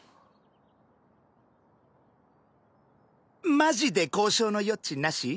マジで交渉の余地なし？